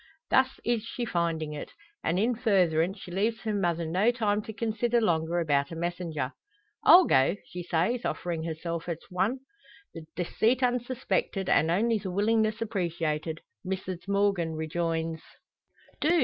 Thus is she finding it; and in furtherance she leaves her mother no time to consider longer about a messenger. "I'll go!" she says, offering herself as one. The deceit unsuspected, and only the willingness appreciated, Mrs Morgan rejoins: "Do!